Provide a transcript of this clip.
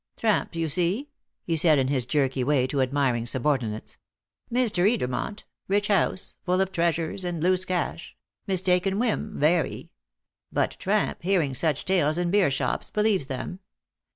"Tramp, you see," he said in his jerky way to admiring subordinates. "Mr. Edermont rich house, full of treasures and loose cash mistaken whim, very; but tramp, hearing such tales in beer shops, believes them.